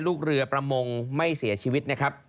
ลูกเรือประมงไม่เสียชีวิตนะครับ